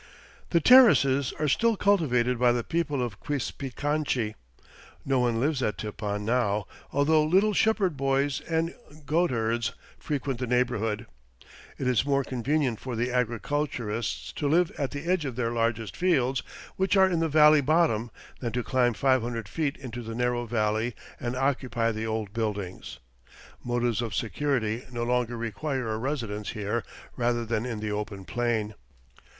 The terraces are still cultivated by the people of Quispicanchi. No one lives at Tipon now, although little shepherd boys and goatherds frequent the neighborhood. It is more convenient for the agriculturists to live at the edge of their largest fields, which are in the valley bottom, than to climb five hundred feet into the narrow valley and occupy the old buildings. Motives of security no longer require a residence here rather than in the open plain.